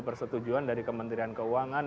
persetujuan dari kementerian keuangan